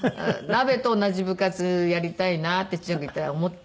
ナベと同じ部活やりたいなって中学行ったら思って。